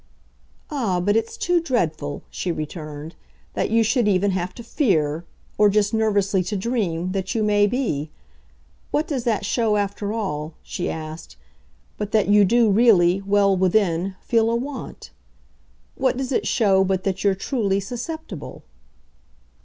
"Ah, but it's too dreadful," she returned, "that you should even have to FEAR or just nervously to dream that you may be. What does that show, after all," she asked, "but that you do really, well within, feel a want? What does it show but that you're truly susceptible?"